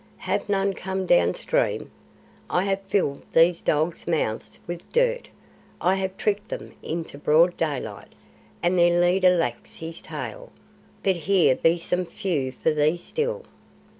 "Have none come down stream? I have filled these dogs' mouths with dirt; I have tricked them in the broad daylight, and their leader lacks his tail, but here be some few for thee still.